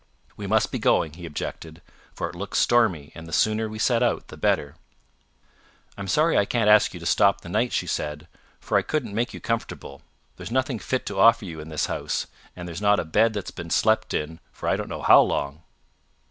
"We must be going," he objected, "for it looks stormy, and the sooner we set out the better." "I'm sorry I can't ask you to stop the night," she said, "for I couldn't make you comfortable. There's nothing fit to offer you in the house, and there's not a bed that's been slept in for I don't know how long."